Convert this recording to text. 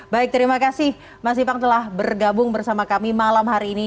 baik terima kasih mas ipang telah bergabung bersama kami malam hari ini